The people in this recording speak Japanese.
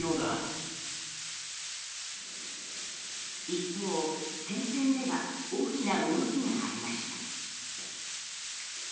一方、戦線では大きな動きがありました。